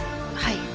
はい。